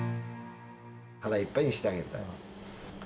腹いっぱいにしてあげたい。